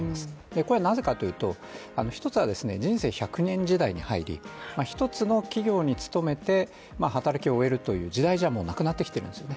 これはなぜかというと一つは人生１００年時代に入り、一つの企業に勤めて働きを終えるという時代じゃなくなってきているんですね。